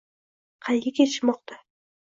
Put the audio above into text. Qayga ketishmoqda?